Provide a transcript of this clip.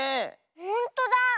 ほんとだ。